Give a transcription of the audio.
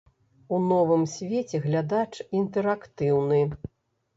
У новым свеце глядач інтэрактыўны.